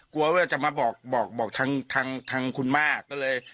กลัวว่าจะมาบอกบอกทางทางคุณมากก็เลย